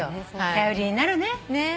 頼りになるね。ねぇ。